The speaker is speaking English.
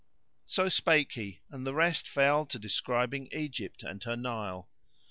So spake he and the rest fell to describing Egypt and her Nile.